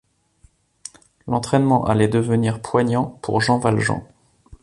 L’entraînement allait devenir poignant pour Jean Valjean.